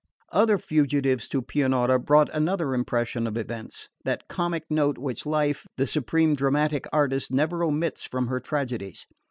Other fugitives to Pianura brought another impression of events that comic note which life, the supreme dramatic artist, never omits from her tragedies.